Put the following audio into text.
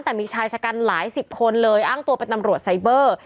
แต่มีชายชะกันหลายสิบคนเลยอ้างตัวเป็นตำรวจไซเบอร์